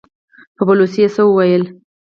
په بلوڅي يې څه وويل!